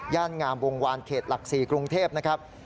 งามวงวานเขตหลัก๔กรุงเทพนะครับ